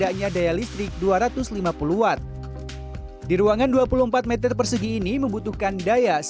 kita bisa memprediksikannya